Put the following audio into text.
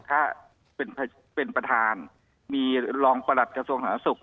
ถ้าเป็นประธานมีรองประหลัดกระทรวงสาธารณสุข